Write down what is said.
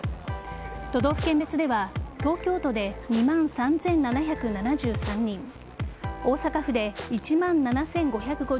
都道府県別では東京都で２万３７７３人大阪府で１万７５５７人